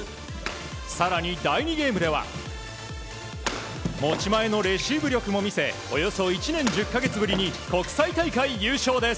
更に、第２ゲームでは持ち前のレシーブ力も見せおよそ１年１０か月ぶりに国際大会優勝です。